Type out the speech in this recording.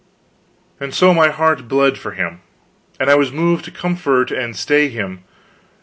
And so my heart bled for him, and I was moved to comfort and stay him.